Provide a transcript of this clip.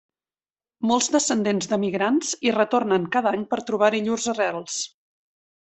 Molts descendents d'emigrants hi retornen cada any per trobar-hi llurs arrels.